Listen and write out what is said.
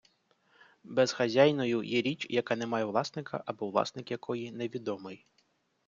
Безхазяйною є річ, яка не має власника або власник якої невідомий.